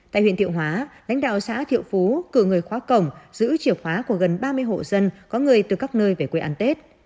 tại huyện thiệu hóa lãnh đạo xã thiệu phú cử người khóa cổng giữ chìa khóa của gần ba mươi hộ dân có người từ các nơi về quê ăn tết